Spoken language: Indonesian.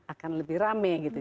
akan lebih rame gitu